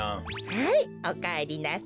はいおかえりなさい。